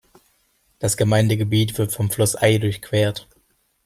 Das Gemeindegebiet wird vom Fluss Ay durchquert.